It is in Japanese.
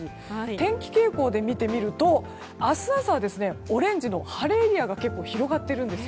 天気傾向で見てみると明日朝はオレンジの晴れエリアが広がっているんです。